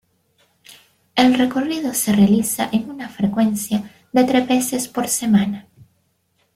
El recorrido se realiza en una frecuencia de tres veces por semana.